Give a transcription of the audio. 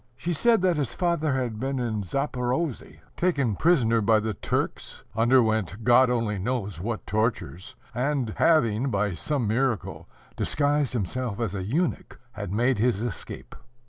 She said that his father had been in Zaporozhe, taken prisoner by the Turks, underwent God only knows what tortures, and having, by some miracle, disguised himself as a eunuch, had made his escape.